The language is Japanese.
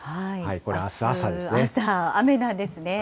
これ、あす朝、雨なんですね。